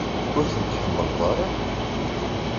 Ur ten-tḥemmleḍ ara?